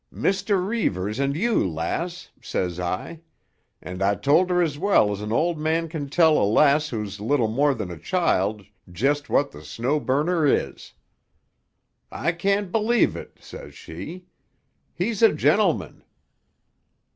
'Mr. Reivers and you, lass,' says I; and I told her as well as an old man can tell a lass who's little more than a child just what the Snow Burner is. 'I can't believe it,' says she. 'He's a gentleman.